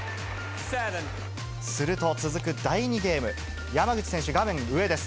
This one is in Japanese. すると続く第２ゲーム、山口選手、画面上です。